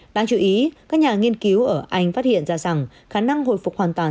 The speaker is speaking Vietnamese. đáng chú ý các nhà nghiên cứu ở anh phát hiện ra rằng khả năng hồi phục hoàn toàn